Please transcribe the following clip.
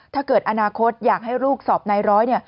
ถ้าเกิดอนาคตอยากให้ลูกสอบนายร้อย